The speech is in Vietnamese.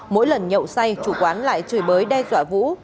mỗi lần nhậu say chủ quán lại chửi bới đe dọa vũ